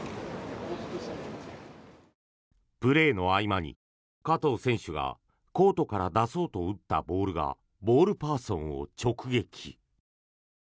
プレーの合間に加藤選手がコートから出そうと打ったボールがボールパーソンを直撃。